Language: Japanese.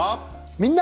「みんな！